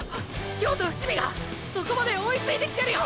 京都伏見がそこまで追いついてきてるよ！！